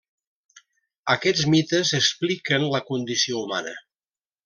Aquests mites expliquen la condició humana.